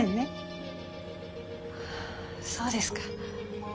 そうですか。